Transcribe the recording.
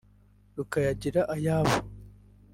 rukayagira ayabo